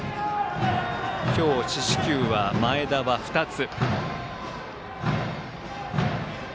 今日、四死球は前田は２つ。